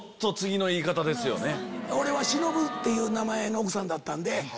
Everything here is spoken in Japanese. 「しのぶ」っていう名前の奥さんだったんで。